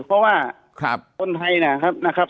เพราะว่าคนไทยนะครับ